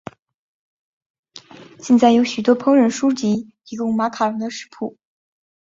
现在有许多烹饪书籍提供马卡龙的食谱。